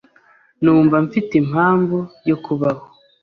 numva mfite impamvu yo kubaho